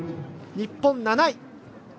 日本、７位。